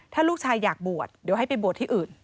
ถ้าลูกชายอยากบวชเดี๋ยวให้ไปบวชที่อื่น